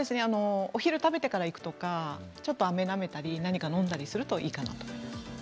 お昼を食べてから行くとかちょっとあめをなめたり何か飲んだりするといいかなと。